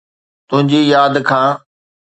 تنهنجي ياد کان